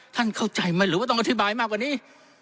เข้าใจไหมหรือว่าต้องอธิบายมากกว่านี้